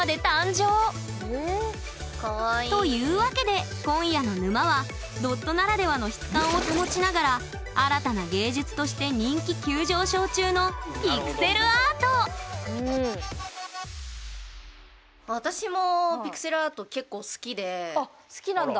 というわけで今夜の沼はドットならではの質感を保ちながら新たな芸術分野として人気急上昇中の私もあっ好きなんだ。